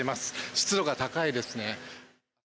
湿度が高いですね。